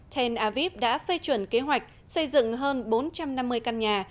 tel aviv đã phê chuẩn kế hoạch xây dựng hơn bốn trăm năm mươi căn nhà